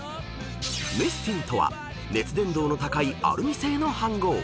［メスティンとは熱伝導の高いアルミ製の飯ごう］